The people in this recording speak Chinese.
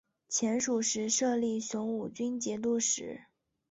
前蜀时设立雄武军节度使。